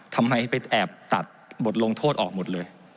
ทำไมไปแอบตัดบทลงโทษออกหมดเลย